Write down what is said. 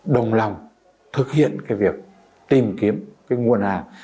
đồng lòng thực hiện cái việc tìm kiếm cái nguồn hàng